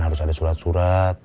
harus ada surat surat